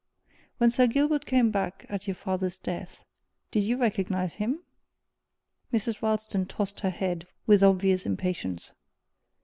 When Sir Gilbert came back at your father's death, did you recognize him?" Mrs. Ralston tossed her head with obvious impatience.